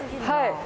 はい。